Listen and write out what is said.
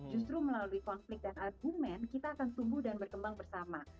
justru melalui konflik dan argumen kita akan tumbuh dan berkembang bersama